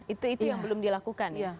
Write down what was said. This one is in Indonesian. itu yang belum dilakukan ya